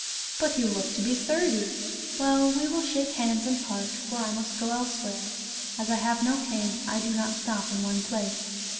" But you look to be thirty." " Well, we will shake hands and part, for I must go elsewhere ; as I have no king, I do not stop in one place."